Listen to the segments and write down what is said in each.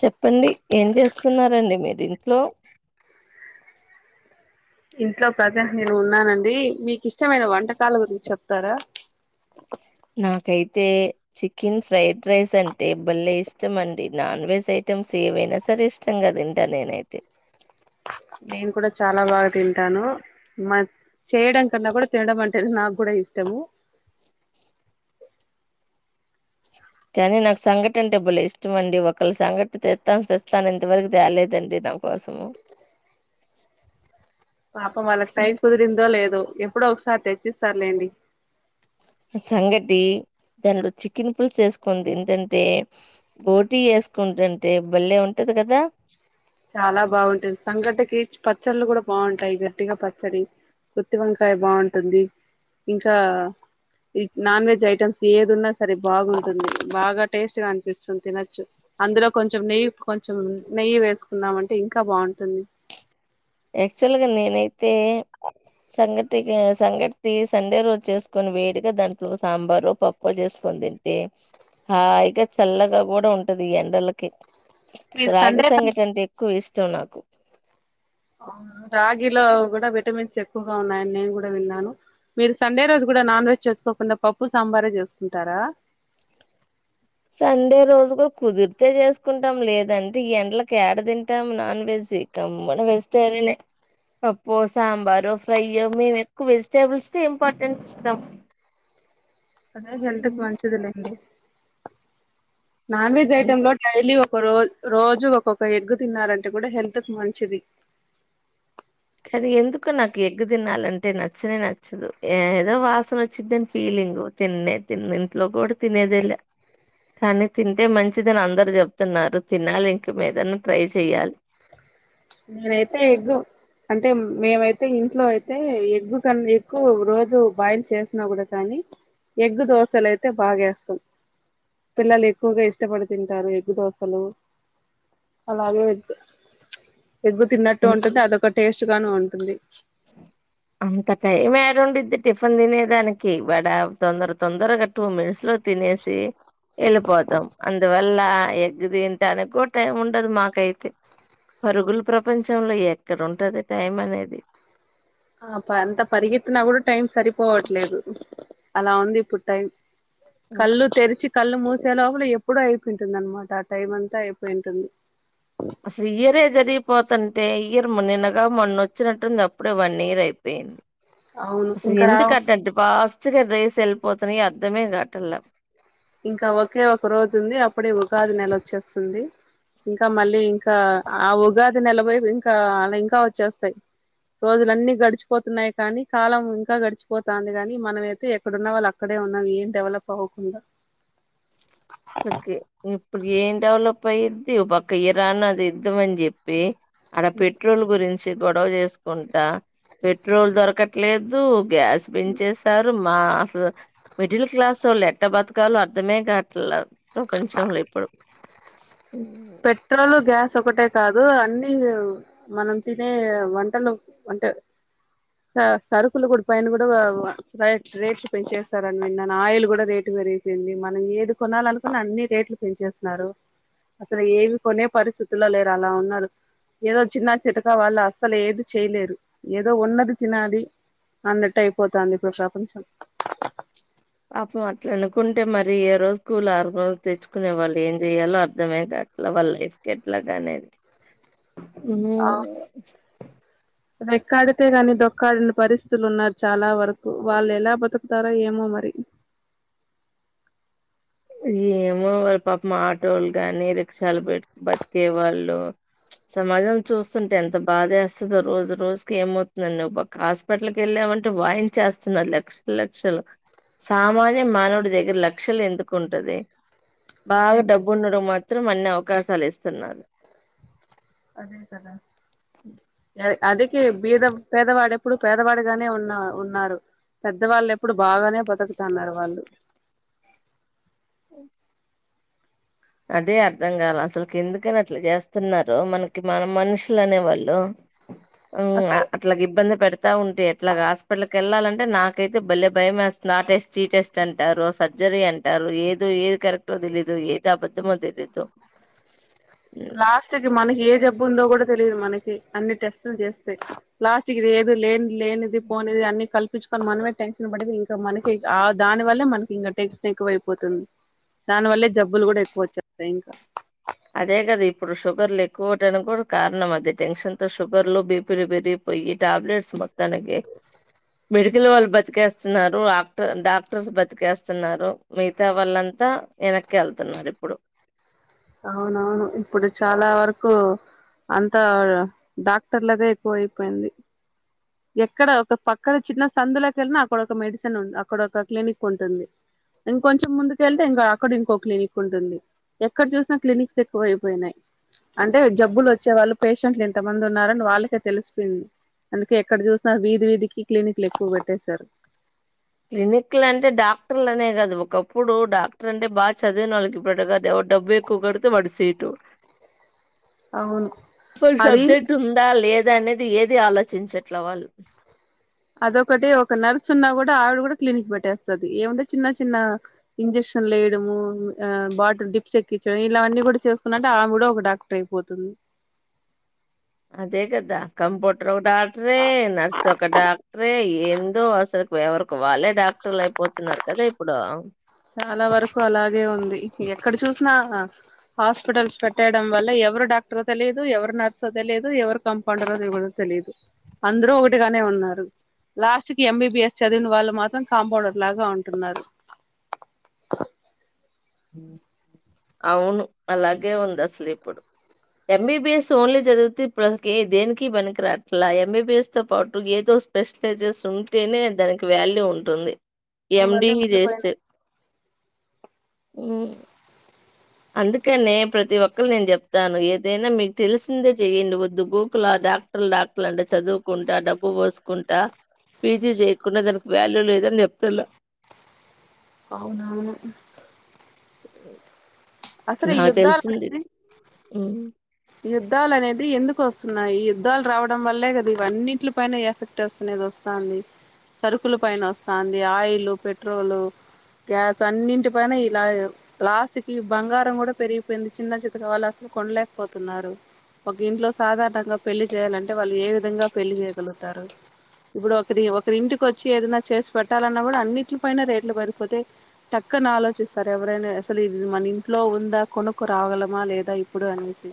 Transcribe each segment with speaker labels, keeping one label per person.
Speaker 1: చెప్పండి ఏం చేస్తున్నారండి మీరు ఇంట్లో
Speaker 2: ఇంట్లో ప్రెసెంట్ నేను ఉన్నానండి మీకు ఇష్టమైన వంటకాల గురించి చెప్తారా
Speaker 1: నాకైతే చికెన్ ఫ్రైడ్ రైస్ అంటే బలే ఇష్టం అండి నాన్ వెజ్ ఐటమ్స్ ఏవైనా సరే ఇష్టంగా తింటా నేనైతే
Speaker 2: నేను కూడా చాలా బాగా తింటాను మ చేయడం కన్నా కూడా తినడం అంటే నాకు కూడా ఇష్టము
Speaker 1: కానీ నాకు సంఘటి అంటే బలే ఇష్టం అండి ఒకలు సంఘటి తెస్తాను తెస్తాను ఇంతవరకు తేలేదండి నా కోసము
Speaker 2: పాపం వాళ్లకు టైం కుదిరిందో లేదో లేదో ఎప్పుడో ఒకసారి తెచ్చిస్తారులేండి
Speaker 1: సంఘటి దానిలో చికెన్ పుల్సు వేసుకుంని తింటుంటే బొటి వేసుకుంటంటే బల్లేె ఉంటది కదా
Speaker 2: చాలా బాగుంటుది సంఘటికీ పచ్చళ్ళు కూడా బాగుంటాయి గట్టిగా పచ్చడి గుత్తివంకాయ బాగుంటుంది ఇంకా ఈ నాన్ వెజ్ ఐటమ్స్ ఏంది ఉన్నా సరే బాగుంటుంది బాగా టేస్ట్ గా అనిపిస్తుంది తినచ్చు అందులో కొంచెం నెయ్యి కొంచెం నెయ్యి వేసు కున్నామంటే ఇంకా బాగుంటుంది
Speaker 1: యాక్చువల్గా నేనైతే సంఘటికి సంఘటి సండే రోజు చేసుకొని వేడిగా దాంట్లో సాంబారు పప్పు చేసుకొని తింటే హాయిగా చల్లగా కూడా ఉంటుది ఈ ఎండలకి
Speaker 2: మీరు
Speaker 1: రాగి
Speaker 2: సండే
Speaker 1: సంఘటీ అంటే ఎక్కువ ఇష్ట నచ్చావ్ నాకు
Speaker 2: రాగిలో కూడా విటమిన్స్ ఎక్కువగా ఉన్నాయని నేను కూడా విన్నాను మీరు సండే రోజు కూడా నాన్ వెజ్ చేసుకోకుండా పప్పు సాంబారే చేసుకుంటారా
Speaker 1: సండే రోజు కూడా కుదిరితే చేసుకుంటాం లేదంటే ఈ ఎడ్లకి ఏడ తింటాం నాన్ వెజ్ ఇక గమ్మున వెజిటేరియనే పప్పు సాంబారు ఫ్రై మేము ఎక్కువ వెజిటేబుల్స్ ఇంపార్టెన్స్ ఇస్తాం
Speaker 2: అదే హెల్త్ కి
Speaker 1: హ్మ్.
Speaker 2: మంచిదిలేండి నాన్ వెెజ్
Speaker 1: హ్మ్.
Speaker 2: ఐటెమ్ లో డైలీ ఒక రోజ రోజు ఒక్కొక్క ఎగ్ తిన్నారంటే కూడా హెల్త్ కు మంచిది
Speaker 1: కానీ ఎందుకు నాకు ఎగ్ తినాలంటే నచ్చనే నచ్చదు ఏ ఏదో వాసన వచ్చిందని ఫీలింగు తిననే తినను ఇంట్లో కూడా తినేదేలే కానీ తింటే మంచిదని అందరు చెప్తున్నారు తినాలి ఇకమీదైనా ట్రై చెయాలి
Speaker 2: నేనైతే ఎగ్గు అంటే మేమైతే ఇంట్లో అయితే ఎగ్గు కన్న ఎక్కువ రోజు బాయిల్ చేసినా కూడా కానీ ఎగ్గు దోశలు అయితే బాగేస్తాం పిల్లలు ఎక్కువగా ఇష్టపడి తింటారు ఎగ్గు దోశలు అలాగే ఎగ్గు తిన్నట్టు ఉంటది అదొక టేస్ట్ చుక్కుగాను ఉంటుంది
Speaker 1: అంత టైం ఏడండిద్ది టిఫిన్ తినేదానికి వడ తొందర తొందరగా టూ మినిట్స్ లో తినేసి వెళ్ళిపోతాం అందువ అలా ఎగ్గు తింటానికి కూడా టైం ఉండదు మాకైతే పరుగుల ప్రపంచంలో ఎక్కడ ఉంటది టైం అనేది
Speaker 2: ఆప్ప అంత పరిగెత్తినా కూడా టైమ్ సరిపోవట్లేదు అలా ఉంది ఇప్పుడు టైం
Speaker 1: హ్మ్.
Speaker 2: కళ్ళు తెరిచి కళ్ళు మూసి చేలోపల ఎప్పుడో అయిపోతుంది అన్నమాట ఆ టైమ్ అంతా అయిపోయి ఉంటుంది
Speaker 1: అసలు ఇయరే జరిగిపోతుంటే ఇయరు నిన్నగా మొన్నొచ్చినట్టుంది అప్పుడే వన్ ఇయర్ అయిపోయింది
Speaker 2: అవును
Speaker 1: అసలు
Speaker 2: ఇంకా రావు
Speaker 1: ఎందుకు ఆటటా పాస్ అసలే డేస్ వెళ్ళిపోతున్నాయి అర్థమే గావట్లే
Speaker 2: ఇంకా ఒకే ఒక రోజు ఉంది అప్పుడే ఉగాది నెల వచ్చేస్తుంది ఇంకా మళ్ళీ ఇంకా ఆ ఉగాది నెల పో ఇంకా అలా ఇంకా వచ్చేస్తాయి రోజులన్ని గడిచిపోతున్నాయి కానీ కాలం ఇంకా గడిచిపోతంది కాని మనమైతే ఎక్కడన్న వాళ్ళు అక్కడే ఉన్నాం ఏం డెవలప్ అవ్వకుండా
Speaker 1: పద్ది పక్క ఇరాన్ అది యుద్ధం అని చెప్పి అడ పెట్రోల్ గురించి చి గొడవ చేసుకుంటా పెట్రోల్ దొరకట్లేదు గ్యాస్ పెంచేశారు మా అసలు మిడిల్ క్లాస్ వాళ్ళు ఎట్ట బతకాలో అర్ధమే కవట్ల ప్రపంచంలో ఇప్పుడు ఉమ్,
Speaker 2: పెట్రోల్ గ్యాస్ చ్ ఒకటే కాదు, అన్ని మనం తినే వంటలు అంటే స సరుకులు కూడా పైన కూడా రైట్ రేట్స్ పెంచేస్తారని విన్నా, నా ఆయిల్ కూడా రేటు పెరిగిపోయింది. మనం ఏది కొనాలనుకున్నా అన్ని రేట్లు పెంచేస్తున్నారు. అసలు ఏం కొనే పరిస్థితుల్లో లేరు, అలా ఉన్నారు. ఏదో చిన్న చితకా వాళ్ళ అస్సలు ఏది చేయలేరు. ఏదో ఉన్నది తినది, అన్నట్టు అయిపోతాంది, ఇప్పుడు ప్రపంచం.
Speaker 1: పాపం అట్లనుకుంటే, మరి ఏ రోజు కూల్ ఆ రోజు తెచ్చుకునే వాళ్ళు ఏం చెయాలో అర్థమేగాట్ల వాళ్ళ లైఫ్ కెట్లగనేది. ఊ
Speaker 2: ఆ రెక్కాడితే గానీ దొక్కాడని పరిస్థితులు ఉన్నారు చాలా వరకు వెళ్ళేలా బతుకుతారో ఏమో మరి.
Speaker 1: ఏమో వాళ్ళ పాపం ఆటోలు గాని రిక్షాలు పెట్ బతికే వాళ్ళు, సమాజం చూస్తుంటే ఎంత బాధేస్తదో, రోజు రోజుకి ఏమవుతుందనే ఓపక్కా హాస్పిటల్కి వెళ్ళామంటే వాయించేస్తున్నారు లక్షల్ లక్షలు సామాన్య మానవుడి దగ్గర లక్షలు ఎందుక్. కుంటది. బాగ
Speaker 2: అదే కదా
Speaker 1: డబ్బుండడం మచ్. త్రం అన్ని అవకాశాలిస్తున్నారు.
Speaker 2: అదే కదా అదే అదికి బీద పేదవాడు ఎప్పుడు పేదవాడిగానే ఉన్న ఉన్నారు. పెద్దవాళ్ళు ఎప్పుడు బాగానే బతుకుతున్నారు వాళ్ళు.
Speaker 1: ఊ అదే అర్థం గాల, అసల్ కెందుకని అట్లా చేస్తున్నారు మనకి మన మనుషులనేవాళ్ళు. ఊ ఆ
Speaker 2: అసలు
Speaker 1: అట్లగిబ్బంది పెడుత్. ట్ల ఉంటే ఎట్లాగా హాస్పిటల్కి వెళ్ళాలంటే నాకైతే భళ్లే భయమేస్తుంది. ఆ టెస్ట్, ఈ టెస్ట్ అంటారు, సర్జరీ అంటారు. ఏదో ఏది కరెక్టో తెలీదు, ఏ ద్దబద్దమో తెలీదు. హ్మ్.
Speaker 2: లాస్ట్ కి మనకి ఏ జబ్బు ఉందో గూడ. తెలిదు మనకి, అన్ని టెస్టులు చేస్తే లాస్ట్కి ఇదే. ప్పుడు లేన్ లేనిది పోనిలే అన్ని కల్ప్. పిచ్కొని మనమే టెన్షన్ పడితే ఇంకా మనకి ఆ దాని వల్లే మనకి ఇంగ టెన్షన్ ఎక్కువైపోతుంది దాని వల్లే జబ్బులు కూడా ఎక్కువ వచ్చేస్తాయి ఇంకా.
Speaker 1: అదే గద ఇప్పుడు షుగర్లు ఎక్కువౌటానికి కూడా కారణం అదే, టెన్షన్ తో షుగర్లు బీపీలు పెరిగిపోయి టాబ్లెట్స్. మొత్తానికి మీరు. జిల్లు వాళ్ళు బతికేస్తున్నారు. ఆక్టర్ డాక్టర్స్ బతికేస్తున్నారు మిగతా వాళ్ళంతా వెనక్కి వెళ్తున్నారు ఇప్పుడు.
Speaker 2: అవునవును ఇప్పుడు చాలా వరకు అంత డాక్టర్లదే ఎక్కువ అయిపోయింది. ఎక్కడ ఒక పక్కన చిన్న సందులోకెళ్ళినా అక్కడొక మెడిసిన్ ఉద్, అక్కడ ఒక క్లినిక్ ఉంటుంది. ఇంకొంచెం ముందుకెళ్తే ఇంకా అక్కడ ఇంకో క్లినిక్ ఉంటుంది. ఎక్కడ చూసినా క్లినిక్స్ ఎక్కువైపోయినాయ్. అంటే జబ్బులు వచ్చే వాళ్ళు పేషెంట్లు ఇంతమంది ఉన్నారని వాళ్ళకే తెలిసిపోయింది అందుక్. కే ఎక్కడ చూసినా వీధి వీధికి క్లినిక్లు ఎక్కువ పెట్టేసారు.
Speaker 1: క్లినిక్లంటే డాక్టర్లు అనే గాదు. ఒకప్పుడు డాక్టర్ అంటే బాగా చదివిన వొళ్ళకి, ఇప్పుడట్ట కాద్ ఎవరు డబ్బు ఎక్కువ కడితే వాడి సీటు.
Speaker 2: అవును
Speaker 1: వాల్
Speaker 2: అది
Speaker 1: సబ్జెక్టుందా లేద్. దనేది ఏది ఆలోచించట్ల వాళ్ళు.
Speaker 2: డావిడ కూడా క్లినిక్ పెట్టేస్తది. ఏముంది చిన్న చిన్న ఇంజెక్షన్ లేయడము, ఆ బాటిల్ డిప్స్ ఎక్కించడం, ఇలావన్నీ కూడా చేసుకున్నంటే ఆమ్ కూడా ఒక డాక్టర్ అయిపోతుంది.
Speaker 1: అదేగదా కంపొట్రు. డాక్టరే నర్స్ ఒక డాక్టరే ఏందో అసలు. వేవరు. కువాళ్ళే డాక్టర్లలైపోతున్నారు కదే. ప్పుడా
Speaker 2: చాలా వరకు అలాగే ఉంది. ఎక్కడ చూసినా హాస్పిటల్స్ పెట్టైడం వల్ల ఎవరు డాక్టర్ తెలియదు, ఎవరు నర్సో తెలియదు, ఎవరు కంపౌండర్ కూడా తెలియదు. అందరూ ఒకటిగానే ఉన్నారు. లాస్ట్ కి ఎంబీబిఎస్ చదివిన వాళ్ళు మాత్రం కాంపౌండర్ లాగా ఉంటున్నారు.
Speaker 1: అవును అలాగే ఉంది అస్లిప్పుడు. ఎంబీబీఎస్ ఓన్లీ చదివితే ఇప్పుడసల్ కే దేనికి పనికి రాట్లా, ఎంబీబీఎస్ తో పాటు ఏదో స్పెషలైజెస్ ఉంటేనే దానికి వాల్యూ ఉంటుంది.
Speaker 2: వల్లే
Speaker 1: ఎండిఈ
Speaker 2: మిగిలిపోయిన
Speaker 1: జేస్తే. ఊ అందుకేనే ప్రతి ఒక్కల్ నేను చెప్తాను. ఏదైనా మీకు తెలిసిందే చెయ్యండి. పొద్దు మూకులు డాక్టర్ డాక్టర్ అంటే చదువుకుంటే డబ్బు పోసుకుంటా పీజీ చేయకుండా దానికి వాల్యూ లేదని చెప్తలా
Speaker 2: అవునవును
Speaker 1: [inaudible] నాకు
Speaker 2: యుద్ధాలు
Speaker 1: తెల్సింది
Speaker 2: అనేది యుద్ధాలు అనేది ఎందుకు వస్తున్నాయి ఈ యుద్ధాలు రావడం వల్లే కదా ఇవన్నిట్ల పైన ఎఫెక్ట్ వస్తునేది వస్తంది సరుకుల పైన వస్తంది ఆయిల్ పెట్రోల్ గ్యాస్ అన్నింటి పైన ఇలా లాస్ట్ కి బంగారం కూడా పెరిగిపోయింది చిన్న చితకా వాళ్ళు అసలు కొనలేకపోతున్నారు ఒక ఇంట్లో సాధారణంగా పెళ్లి చేయాలంటే వాళ్ళు ఏ విధంగా పెళ్లి చేయగలుగుతారు ఇప్పుడు ఒక ఒకరి ఇంటికి వచ్చి ఏద చేసి పెట్టాలన్న కూడా అన్నింటి పైన రేట్లు పెరిగిపోతే టక్కన ఆలోచిస్తారు ఎవరైనా అసలు మన ఇంట్లో ఉందా కొనుకు రాగలమా లేదా ఇప్పుడు అనేసి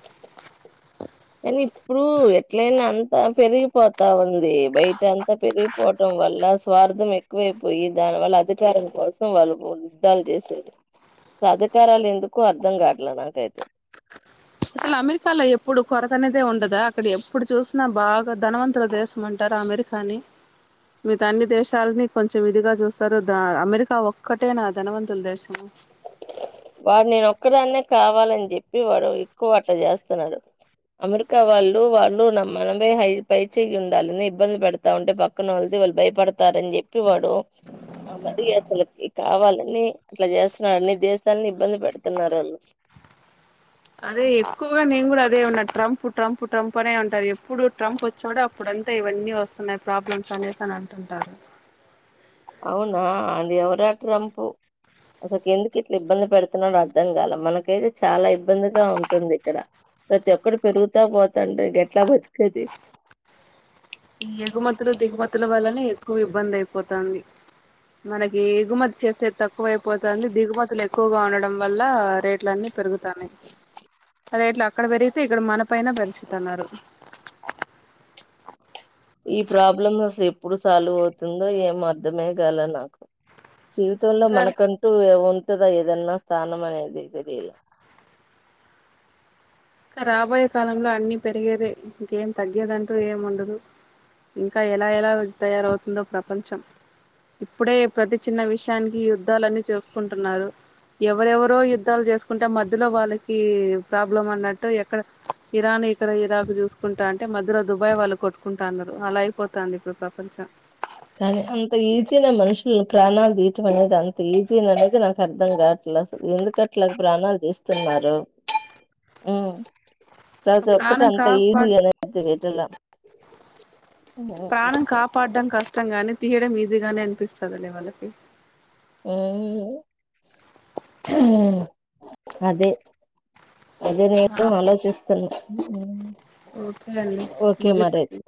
Speaker 1: కానీ ఇప్పుడు ఎట్లయినా అంత పెరిగి పోత ఉంది అది బయట అంతా పెరిగిపోవటం వల్ల స్వార్థం ఎక్కువైపోయి దాని వల్ల అధికారం కోసం వాళ్ళు యుద్ధాలు చేసారు అధికారాలు ఎందుకు అర్థం కాట్లే నాకైతే
Speaker 2: అసలు అమెరికాలో ఎప్పుడు కొరత అనేదే ఉండదా అక్కడ ఎప్పుడు చూసినా బాగా ధనవంతుల దేశం అంటారు అమెరికాని మిగతా అన్ని దేశాలని కొంచెం ఇదిగా చూస్తారు ద అమెరికా ఒక్కటే నా ధనవంతుల దేశము
Speaker 1: వాడు నేన ఒక్కదాన్నే కావాలని చెప్పి వాడు ఎక్కువ అట్లా చేస్తున్నాడు అమెరికా వాళ్ళు వాళ్ళు నా మనమే పై చెయ్యి ఉండాలని ఇబ్బంది పెడతా ఉంటే పక్కన వల్ది వాళ్ళు భయపడతారని చెప్పి వాడు మ అసలకి కావాలని అట్లా చేస్తున్నాడని ఇబ్బంది పెడుతున్నారు వాళ్ళు
Speaker 2: అదే ఎక్కువగా నేను కూడా అదే ఉన్నా ట్రంప్ ట్రంప్ ట్రంప్ అనే ఉంటారు ఎప్పుడు ట్రంప్ వచ్చాడు అప్పుడంతా ఇవన్నీ వస్తున్నాయి ప్రాబ్లమ్స్ అనేసి అని అంటుంటారు
Speaker 1: అవునా అది ఎవరా ట్రంప్ అసకి ఎందుకు ఇట్లా ఇబ్బంది పెడుతున్నాడుో అర్థం కాల మనకైతే చాలా ఇబ్బందిగా ఉంటుంది ఇక్కడ ప్రతి ఒక్కడు పెరుగుతా పోతంటే ఎట్లా బతికేది
Speaker 2: ఈ ఎగుమతులు దిగుమతుల వల్లనే ఎక్కువ ఇబ్బంది అయిపోతంది మనకి ఎగుమతి చేస్తే తక్కువైపోతంది దిగుమతులు ఎక్కువగా ఉండడం వల్ల రేట్లు అన్నిీ పెరుగుతాన్నాయి రేట్లు అక్కడ పెరిగితే ఇక్కడ మన పైన పెంచుతున్నారు
Speaker 1: ఈ ప్రాబ్లమ్ అసలు ఎప్పుడు సాల్వ్ అవుతుందో ఏమో అర్థమే గాల నాకు జీవితంలో
Speaker 2: ఇంకా
Speaker 1: మనకంటూ ఏదన్నా స్థానం అనేది తెలిల
Speaker 2: ఇంకా రాబోయే కాలంలో అన్ని పెరిగేదే ఇంకేం తగ్గేదంటూ ఏం ఉండదు ఇంకా ఎలా ఎలా తయారవుతుందో ప్రపంచం ఇప్పుడే ప్రతి చిన్న విషయానికి యుద్ధాలన్నీ చేూసుకుంటున్నారు ఎవరెవరో యుద్ధాలు చేసుకుంటే మధ్యలో వాళ్ళకి ప్రాబ్లం అన్నట్టు ఎక్కడ ఇరాన్ ఇక్కడ ఇరాక్ చూసుకుంటా అంటే మధ్యలో దుబాయ్ వాళ్ళు కొట్టుకుంటు అన్నారు అలా అయిపోతుంది ఇప్పుడు ప్రపంచం
Speaker 1: కానీ అంత ఈజీనా మనుషుల్ని ప్రాణాలు తీయటం అనేది అంత ఈజీ అనేది నాకు అర్థం కా అట్లాస ఎందుకు అట్లా ప్రాణాలు తీస్తున్నారు
Speaker 2: ఒక
Speaker 1: ప్రతి ఒక్కటి
Speaker 2: ప్రాణం
Speaker 1: అంత ఈజీ
Speaker 2: కాపాడ
Speaker 1: అనేది వటలా
Speaker 2: ప్రాణం కాపాడుటం కష్టం కష్టంగానీ తీయడం ఈజీగానే అనిపిస్తది లే వాళ్ళకి
Speaker 1: అదే అదే నేను ఆలోచిస్తున్నా
Speaker 2: ఓకే అండి
Speaker 1: ఓకే మ
Speaker 2: ముగిద్దాం
Speaker 1: రైతే